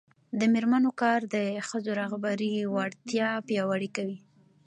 د میرمنو کار د ښځو رهبري وړتیا پیاوړې کوي.